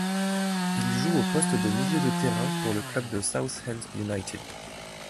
Il joue au poste de milieu de terrain pour le club de Southend United.